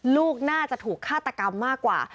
ลูกน่าจะถูกฆาตกรรมมากกว่า